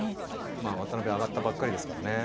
まあ渡辺上がったばっかりですからね。